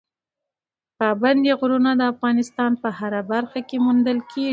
پابندی غرونه د افغانستان په هره برخه کې موندل کېږي.